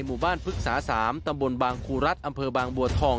หมู่บ้านพฤกษา๓ตำบลบางครูรัฐอำเภอบางบัวทอง